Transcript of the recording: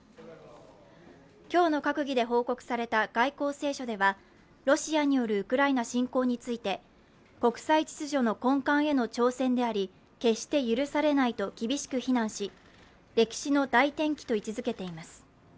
今日の閣議で報告された外交青書ではロシアによるウクライナ侵攻について、国際秩序の根幹への挑戦であり決して許されないと厳しく非難し歴史の大転機と位置づけています。